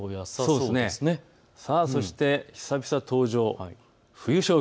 そして久々登場、冬将軍。